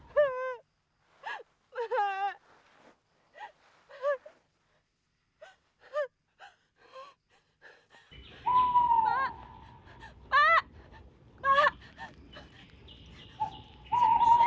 pak pak pak